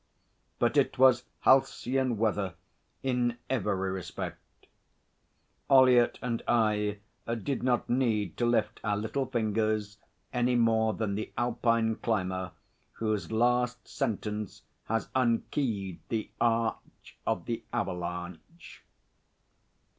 But it was halcyon weather in every respect. Ollyett and I did not need to lift our little fingers any more than the Alpine climber whose last sentence has unkeyed the arch of the avalanche.